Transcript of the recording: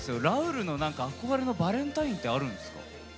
ラウールの何か憧れのバレンタインってあるんですか？